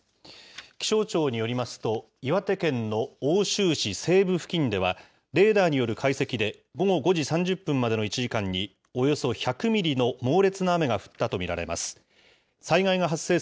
気象庁によりますと、岩手県の奥州市西部付近では、レーダーによる解析で、午後５時３０分までの１時間におよそ１００ミリの猛烈な雨が降ったと見られます。